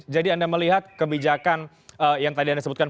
jadi anda melihat kebijakan yang tadi anda sebutkan